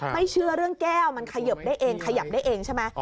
เชื่อเรื่องแก้วมันเขยิบได้เองขยับได้เองใช่ไหม